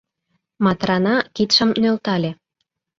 Матрана кидшым нӧлтале.